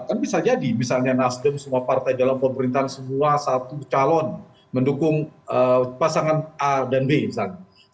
kan bisa jadi misalnya nasdem semua partai dalam pemerintahan semua satu calon mendukung pasangan a dan b misalnya